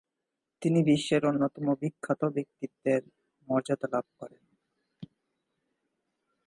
তিনি বিশ্বের অন্যতম বিখ্যাত ব্যক্তিত্বের মর্যাদা লাভ করেন।